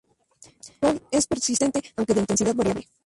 El dolor es persistente, aunque de intensidad variable.